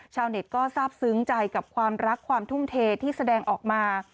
ชาวเน็ตก็ทราบซึ้งใจกับความรักความทุ่มเทที่แสดงออกมา